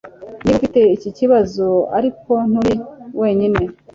Niba ufite iki kibazo ariko nturi wenyine.